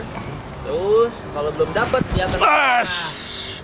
terus kalau belum dapat dia akan cari leher